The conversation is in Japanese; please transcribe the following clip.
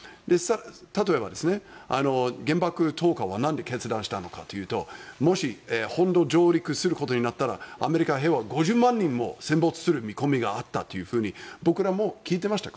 例えば、原爆投下はなんで決断したのかというともし本土上陸することになったらアメリカは５０万人も戦没する見込みがあって僕らも聞いていました。